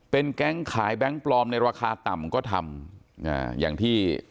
เป็นแก๊งขายแบงค์ปลอมในราคาต่ำก็ทำอย่างที่